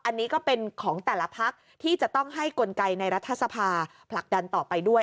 อันนี้ก็เป็นของแต่ละพักที่จะต้องให้กลไกในรัฐสภาผลักดันต่อไปด้วย